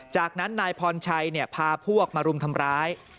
จากนั้นนายพรชัยพาพวกมารุมทำร้าย